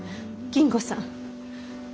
金吾さん